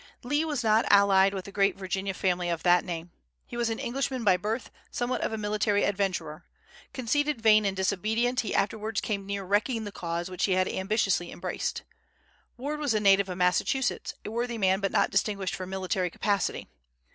Lee was not allied with the great Virginia family of that name. He was an Englishman by birth, somewhat of a military adventurer. Conceited, vain, and disobedient, he afterwards came near wrecking the cause which he had ambitiously embraced. Ward was a native of Massachusetts, a worthy man, but not distinguished for military capacity.